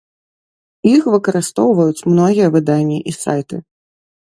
Іх выкарыстоўваюць многія выданні і сайты.